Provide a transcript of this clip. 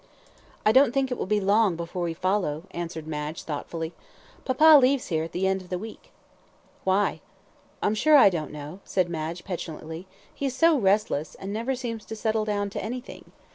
"I don't think it will be long before we follow," answered Madge, thoughtfully. "Papa leaves here at the end of the week." "Why?" "I'm sure I don't know," said Madge, petulantly; "he is so restless, and never seems to settle down to anything.